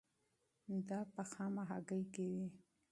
دا په خامه هګۍ کې وي.